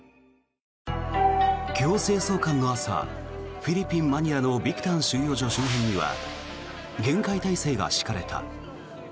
強制送還の朝フィリピン・マニラのビクタン収容所周辺には厳戒態勢が敷かれた。